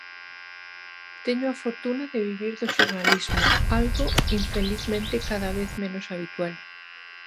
Teño a fortuna de vivir do xornalismo, algo, infelizmente, cada vez menos habitual.